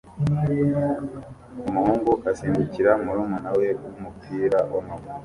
Umuhungu asimbukira murumuna we wumupira wamaguru